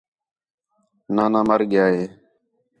نانا مَر ڳِیا ہے